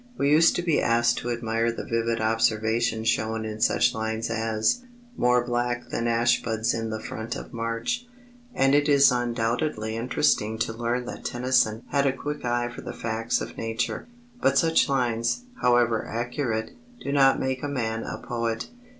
We used to be asked to admire the vivid observation shown in such lines as: More black than ashbuds in the front of March; and it is undoubtedly interesting to learn that Tennyson had a quick eye for the facts of nature. But such lines, however accurate, do not make a man a poet.